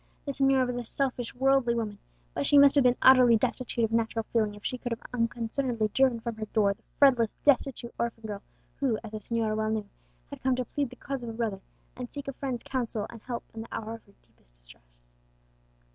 The señora was a selfish, worldly woman; but she must have been utterly destitute of natural feeling if she could have unconcernedly driven from her door the friendless, destitute orphan girl, who, as the señora well knew, had come to plead the cause of a brother, and seek a friend's counsel and help in the hour of her deepest distress.